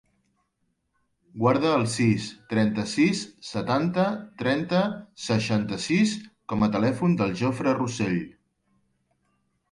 Guarda el sis, trenta-sis, setanta, trenta, seixanta-sis com a telèfon del Jofre Rossell.